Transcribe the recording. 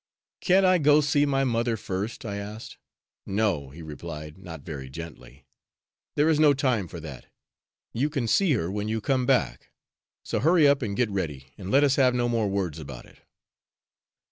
"Can't I go see my mother, first?" I asked. "No," he replied, not very gently, "there is no time for that, you can see her when you come back. So hurry up and get ready, and let us have no more words about it!"